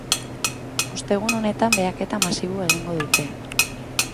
Ostegun honetan baheketa masiboa egingo dute.